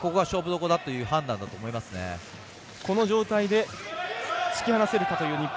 この状態で突き放せるか日本。